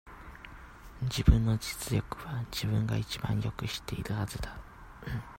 自分の実力は、自分が一番よく知っているはずだ。